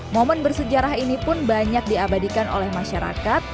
momen bersejarah ini pun banyak diabadikan oleh masyarakat